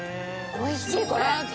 おいしいこれ。